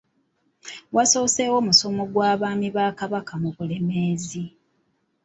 Waasooseewo musomo gw’Abaami ba Kabaka mu Bulemeezi.